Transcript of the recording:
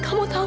kamu tahu kan